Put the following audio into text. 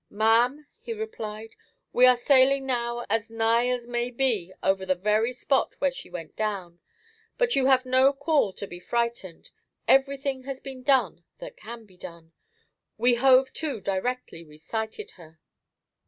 "Ma'am," he replied, "we are sailing now as nigh as may be over the very spot where she went down; but you have no call to be frightened; everything has been done that can be done. We hove to directly we sighted her."